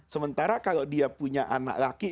sementara kalau dia punya anak laki